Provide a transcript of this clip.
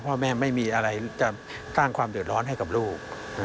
พ่อแม่ไม่มีอะไรจะสร้างความเดือดร้อนให้กับลูก